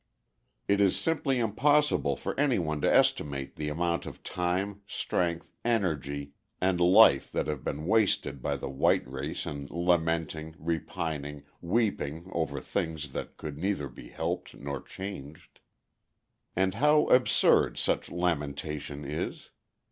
It is simply impossible for any one to estimate the amount of time, strength, energy, and life that have been wasted by the white race in lamenting, repining, weeping, over things that could neither be helped nor changed. And how absurd such lamentation is.